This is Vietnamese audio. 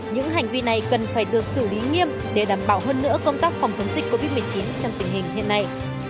những hành vi này cần phải được xử lý nghiêm để đảm bảo hơn nữa công tác phòng chống dịch covid một mươi chín trong tình hình hiện nay